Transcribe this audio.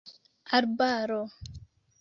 arbaro